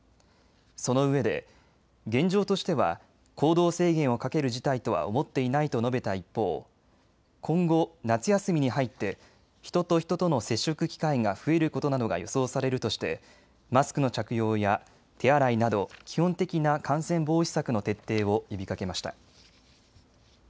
そのうえで現状としては行動制限をかける事態とは思っていないと述べた一方、今後、夏休みに入って人と人との接触機会が増えることなどが予想されるとしてマスクの着用や手洗いなど基本的な感染防止策の徹底を呼びかけました。